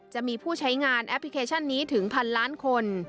จะมีผู้ใช้งานแอปพลิเคชันนี้ถึงพันล้านคน